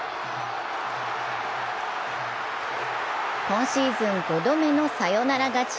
今シーズン５度目のサヨナラ勝ち。